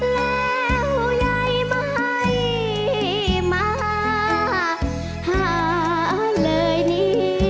แล้วยายไม่มาหาเลยนี่